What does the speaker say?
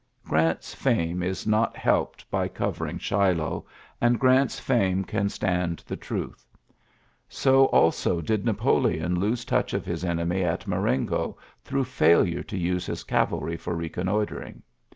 Grant's fame is not helped by cover ing Shiloh; and Grant's fame can stand the truth. So also did Napoleon lose touch of his enemy at Marengo through failure to use his cavalry for reconnoi tring.